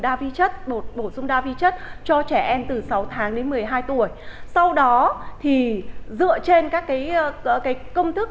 đa vi chất bột bổ sung đa vi chất cho trẻ em từ sáu tháng đến một mươi hai tuổi sau đó thì dựa trên các công thức